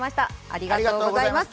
ありがとうございます。